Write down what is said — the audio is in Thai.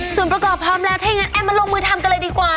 ส่วนประกอบพร้อมแล้วถ้าอย่างนั้นมาลงมือทำกันเลยดีกว่า